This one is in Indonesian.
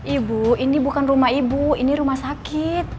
ibu ini bukan rumah ibu ini rumah sakit